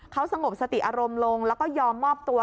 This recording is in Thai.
เขาสงบสติอารมณ์ลงแล้วก็ยอมมอบตัว